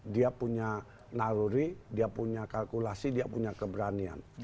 dia punya naruri dia punya kalkulasi dia punya keberanian